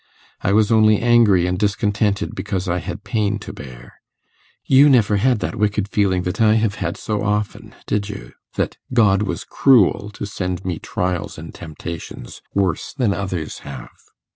I was only angry and discontented because I had pain to bear. You never had that wicked feeling that I have had so often, did you? that God was cruel to send me trials and temptations worse than others have.